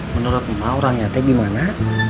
menurut emak orang nyate gimana